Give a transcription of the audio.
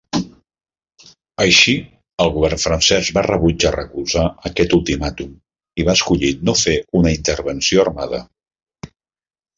Així, el govern francès va rebutjar recolzar aquest ultimàtum i va escollir no fer una intervenció armada.